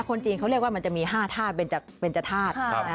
คนจีนเขาเรียกว่ามันจะมี๕ธาตุเบนจธาตุ